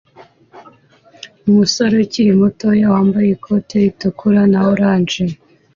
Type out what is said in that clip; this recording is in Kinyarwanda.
Umusore ukiri muto wambaye ikote ritukura na orange